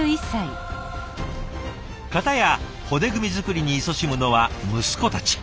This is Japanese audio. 片や骨組み作りにいそしむのは息子たち。